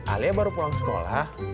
alia baru pulang sekolah